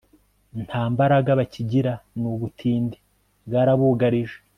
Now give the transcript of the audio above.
nta mbaraga bakigira, n'ubutindi bwarabugarije